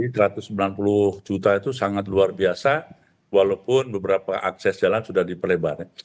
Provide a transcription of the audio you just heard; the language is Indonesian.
jadi satu ratus sembilan puluh juta itu sangat luar biasa walaupun beberapa akses jalan sudah diperlebarkan